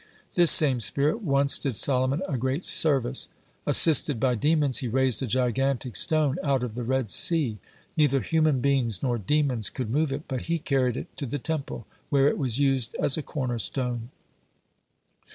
This same spirit once did Solomon a great service. Assisted by demons, he raised a gigantic stone out of the Red Sea. Neither human beings nor demons could move it, but he carried it to the Temple, where it was used as a cornerstone.